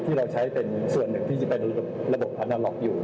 เราใช้เป็นส่วนหนึ่งที่จะเป็นระบบพานาล็อกอยู่